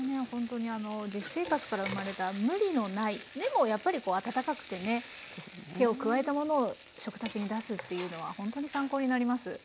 ほんとにあの実生活から生まれた無理のないでもやっぱりこう温かくてね手を加えたものを食卓に出すっていうのはほんとに参考になります。